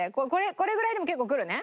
これぐらいでも結構くるね？